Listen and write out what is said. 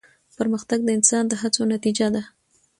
پرمختګ د انسان د هڅو نتیجه ده.